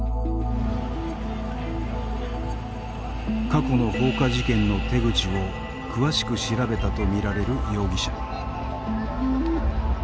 過去の放火事件の手口を詳しく調べたとみられる容疑者。